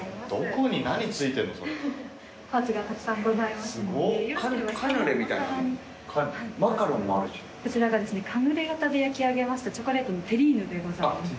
こちらがカヌレ型で焼き上げましたチョコレートのテリーヌでございます。